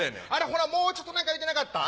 ほなもうちょっと何か言うてなかった？